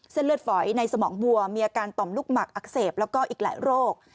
เลือดฝอยในสมองบัวมีอาการต่อมลูกหมักอักเสบแล้วก็อีกหลายโรค